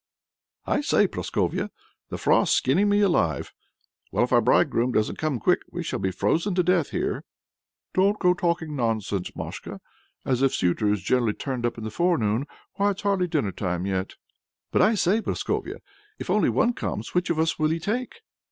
"I say, Prascovia! the frost's skinning me alive. Well, if our bridegroom doesn't come quick, we shall be frozen to death here!" "Don't go talking nonsense, Mashka; as if suitors generally turned up in the forenoon. Why it's hardly dinner time yet!" "But I say, Prascovia! if only one comes, which of us will he take?"